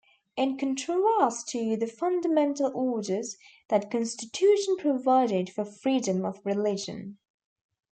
In contrast to the Fundamental Orders, that constitution provided for freedom of religion.